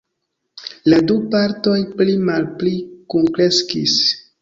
La du partoj pli-malpli kunkreskis.